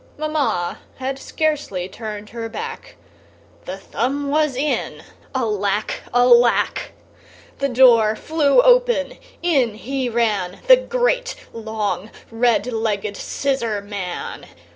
Mamma had scarcely turned her back, The thumb was in, Alack! Alack! The door flew open, in he ran, The great, long, red legged scissor man.